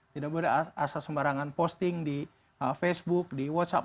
tidak boleh asal sembarangan posting di facebook di whatsapp